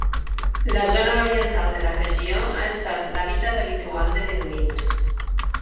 La zona oriental de la regió ha estat l'hàbitat habitual de beduïns.